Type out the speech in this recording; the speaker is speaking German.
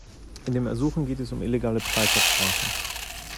In dem Ersuchen geht es um illegale Preisabsprachen.